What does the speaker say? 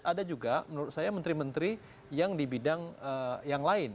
ada juga menurut saya menteri menteri yang di bidang yang lain